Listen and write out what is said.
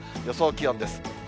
予想気温です。